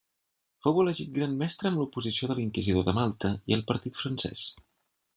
Fou elegit Gran Mestre amb l'oposició de l'inquisidor de Malta i el partit francès.